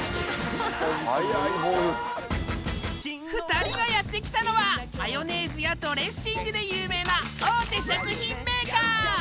２人がやって来たのはマヨネーズやドレッシングで有名な大手食品メーカー。